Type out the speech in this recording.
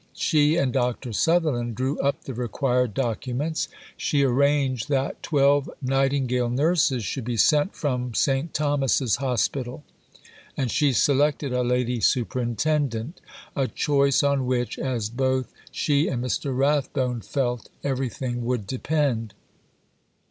She and Dr. Sutherland drew up the required documents; she arranged that twelve "Nightingale Nurses" should be sent from St. Thomas's Hospital; and she selected a Lady Superintendent a choice on which, as both she and Mr. Rathbone felt, everything would depend.